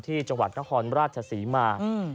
ที่จังหวัดนครราชศรีมา